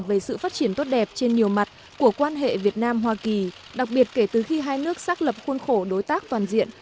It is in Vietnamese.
về sự phát triển tốt đẹp trên nhiều mặt của quan hệ việt nam hoa kỳ đặc biệt kể từ khi hai nước xác lập khuôn khổ đối tác toàn diện